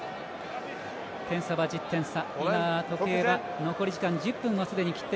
点差は１０点差。